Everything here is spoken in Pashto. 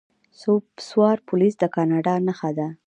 سوار پولیس د کاناډا نښه ده.